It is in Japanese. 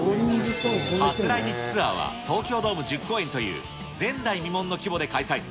初来日ツアーは東京ドーム１０公演という、前代未聞の規模で開催。